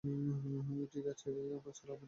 ঠিক আছে, চলো আমার সাথে!